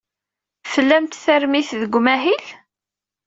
Tlamt tarmit deg umahil?